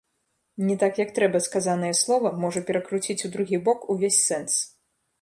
Не так як трэба сказанае слова, можа перакруціць у другі бок увесь сэнс.